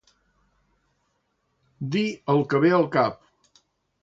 Dir el que ve al cap.